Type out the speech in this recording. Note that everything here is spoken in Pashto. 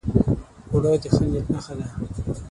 اوړه د ښه نیت نښه ده